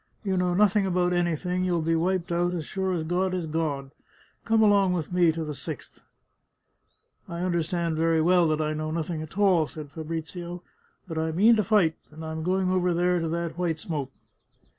You know nothing about anything ; you'll be wiped out, as sure as God is God; come along with me to the Sixth !"" I understand very well that I know nothing at all," said Fabrizio ;" but I mean to fight, and I am going over there to that white smoke."